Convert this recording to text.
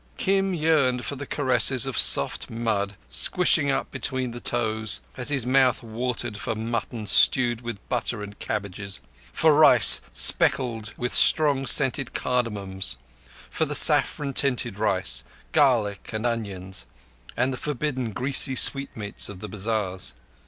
Kim yearned for the caress of soft mud squishing up between the toes, as his mouth watered for mutton stewed with butter and cabbages, for rice speckled with strong scented cardamoms, for the saffron tinted rice, garlic and onions, and the forbidden greasy sweetmeats of the bazars.